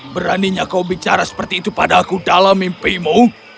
beraninya kau bicara seperti itu pada aku dalam mimpimu